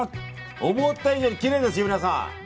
思った以上にきれいですよ、皆さん。